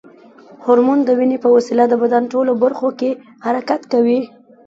هورمون د وینې په وسیله د بدن ټولو برخو کې حرکت کوي.